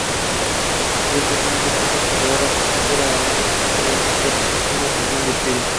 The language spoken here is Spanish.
Si esta planta está considerada carnívora o no es, esencialmente, una cuestión de estilo.